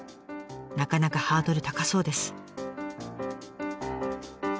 なかなかハードル高そうです。